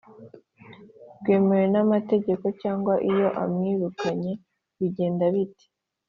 byemewe n’amategeko cyangwa iyo amwirukanye bigenda bite?